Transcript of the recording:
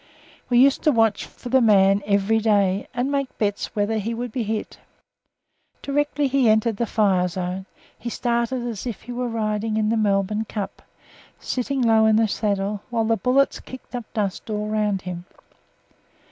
We used to watch for the man every day, and make bets whether he would be hit. Directly he entered the fire zone, he started as if he were riding in the Melbourne Cup, sitting low in the saddle, while the bullets kicked up dust all round him.